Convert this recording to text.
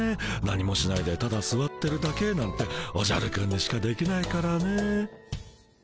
何もしないでただすわってるだけなんておじゃるくんにしかできないからね。